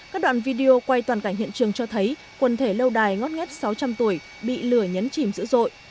các đoạn video quay toàn cảnh hiện trường cho thấy quần thể lâu đài ngót nghét sáu trăm linh tuổi bị lửa nhấn chìm dữ dội